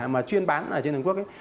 mà chuyên bán ở trên đường quốc